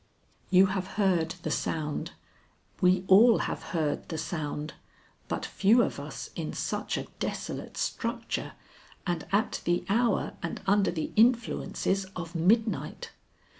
You have heard the sound; we all have heard the sound, but few of us in such a desolate structure and at the hour and under the influences of midnight!